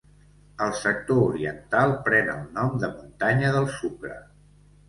El sector oriental pren el nom de Muntanya del Sucre.